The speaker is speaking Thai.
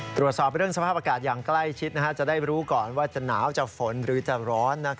ตรวจสอบเรื่องสภาพอากาศอย่างใกล้ชิดจะได้รู้ก่อนว่าจะหนาวจะฝนหรือจะร้อน